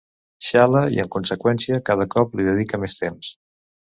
Xala, i en conseqüència, cada cop li dedica més temps.